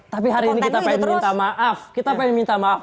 tapi hari ini kita pengen minta maaf